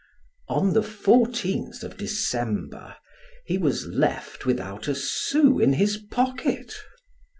On the fourteenth of December, he was left without a sou in his pocket.